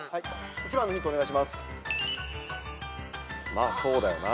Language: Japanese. まあそうだよな。